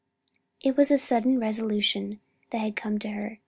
It was a sudden resolution that had come to her.